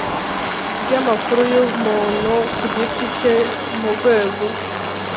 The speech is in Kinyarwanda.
Ry amakuru y umuntu ku giti cye mu rwego